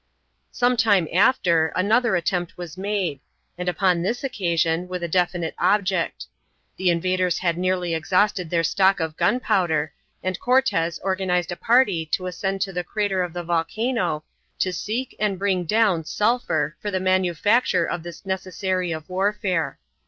Some time after another attempt was made; and upon this occasion with a definite object. The invaders had nearly exhausted their stock of gunpowder, and Cortes organized a party to ascend to the crater of the volcano, to seek and bring down sulphur for the manufacture of this necessary of warfare.